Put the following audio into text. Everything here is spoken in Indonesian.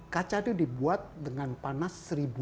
kaca itu dibuat dengan panas seribu sembilan ratus